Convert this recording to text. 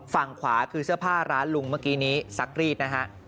ฝั่งขวาคือเสื้อผ้าร้านลุงเมื่อกี้นี้ซักรีดนะฮะ